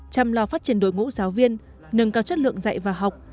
chăm lo phát triển đội ngũ giáo viên nâng cao chất lượng dạy và học